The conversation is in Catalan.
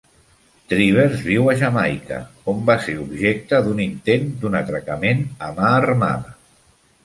Trivers viu a Jamaica, on va ser objecte d"un intent d"un atracament a mà armada.